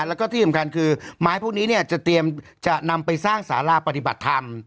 แล้วก็ที่สำคัญคือไม้พวกนี้เนี่ยจะเตรียมจะนำไปสร้างสาราปฏิบัติธรรม